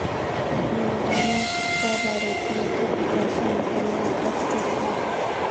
Melodrama cabaretil-tropical con el tema del tráfico de drogas.